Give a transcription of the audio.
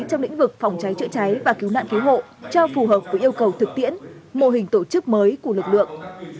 trong lĩnh vực phòng cháy chữa cháy và cứu nạn cứu hộ cho phù hợp với yêu cầu thực tiễn mô hình tổ chức mới của lực lượng